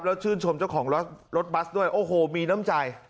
แล้วชื่นชมเจ้าของรถบัสด้วยโอ้โหมีน้ำใจ